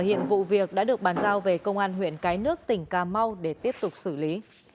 hiện vụ việc đã được bàn giao về công an huyện cái nước tỉnh cà mau để tiếp tục xử lý